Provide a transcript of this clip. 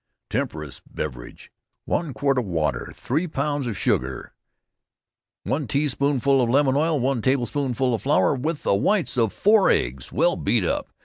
TEMPERANCE BEVERAGE. One quart of water, three pounds of sugar, one teaspoonful of lemon oil, one table spoonful of flour, with the white of four eggs, well beat up.